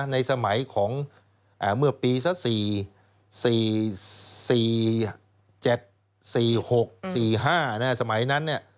ในสมัยของเมื่อปีสัก๔๔๗๔๖๔๕สมัยนั้นเนี่ย